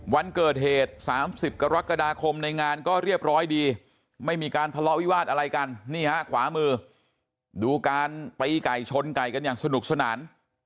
วันเกิดเหตุ๓๐กรกฎาคมในงานก็เรียบร้อยดีไม่มีการทะเลาะวิวาสอะไรกันนี่ฮะขวามือดูการตีไก่ชนไก่กันอย่างสนุกสนาน